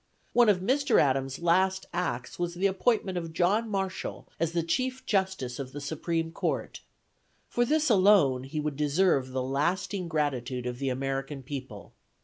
One of Mr. Adams' last acts was the appointment of John Marshall as chief justice of the supreme court; for this alone, he would deserve the lasting gratitude of the American people.